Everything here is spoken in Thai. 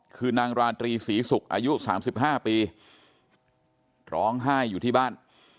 คือนางราตรีศรีศุกร์อายุ๓๕ปีร้องไห้อยู่ที่บ้าน